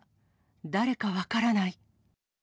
誰か分からない。